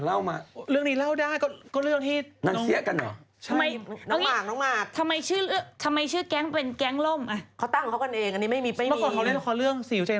อันนี้เขียนอะไรคะเขาสงสัย